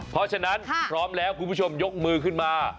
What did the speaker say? เพราะฉะนั้นพร้อมแล้วคุณผู้ชมยกมือขึ้นมา